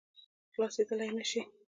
خلاصېدلای نه شي.